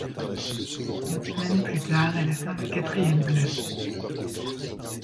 Une semaine plus tard, elle atteint la quatrième place.